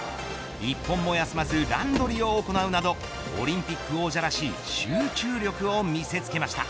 一本も休まず乱取りを行うなどオリンピック王者らしい集中力を見せつけました。